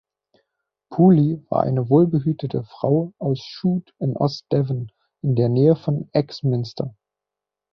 Poole war eine wohlbehütete Frau aus Shute in Ost-Devon, in der Nähe von Axminster.